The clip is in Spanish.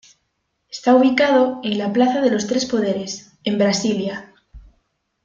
Está ubicado en la Plaza de los Tres Poderes, en Brasilia.